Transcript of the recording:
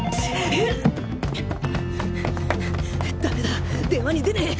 ダメだ電話に出ねぇ！